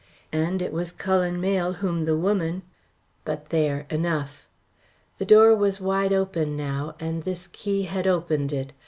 And it was Cullen Mayle whom the woman But, there, enough." The door was wide open now, and this key had opened it.